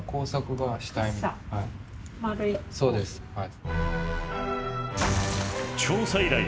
そうですはい。